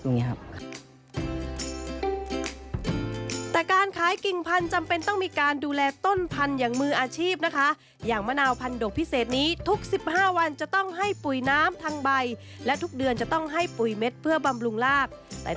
แต่การขายกลิ่งพันธุ์จำเป็นต้องมีการดูแลต้นพันธุ์